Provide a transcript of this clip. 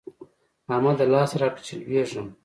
احمده! لاس راکړه چې لوېږم.